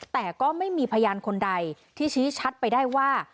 แต่ก็ไม่มีพยานคนใดที่ชี้ชัดไปได้ว่า